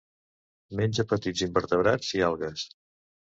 Menja petits invertebrats i algues.